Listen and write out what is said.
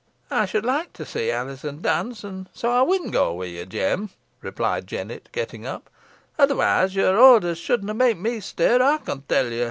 "Ey should like to see Alizon dance, an so ey win go wi' ye, Jem," replied Jennet, getting up, "otherwise your orders shouldna may me stir, ey con tell ye."